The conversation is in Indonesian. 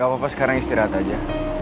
gak apa apa sekarang istirahat aja